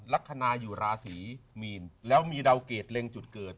ลักษณะอยู่ราศีมีนแล้วมีดาวเกรดเล็งจุดเกิด